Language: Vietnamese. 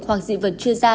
hoặc dị vật chưa ra